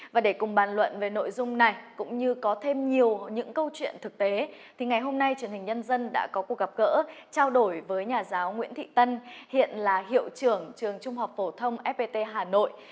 và để cùng bàn luận về nội dung này cũng như có thêm nhiều những câu chuyện thực tế thì ngày hôm nay truyền hình nhân dân đã có cuộc gặp gỡ trao đổi với nhà giáo nguyễn thị tân hiện là hiệu trưởng trường trung học phổ thông fpt hà nội